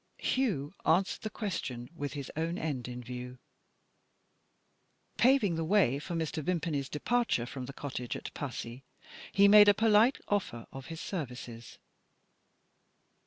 Hugh answered the question, with his own end in view. Paving the way for Mr. Vimpany's departure from the cottage at Passy, he made a polite offer of his services.